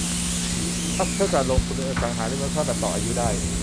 ทรัสต์เพื่อการลงทุนในอสังหาริมทรัพย์แบบต่ออายุได้